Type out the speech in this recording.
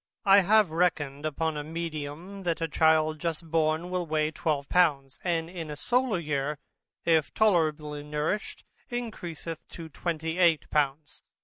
I have reckoned upon a medium, that a child just born will weigh 12 pounds, and in a solar year, if tolerably nursed, encreaseth to 28 pounds.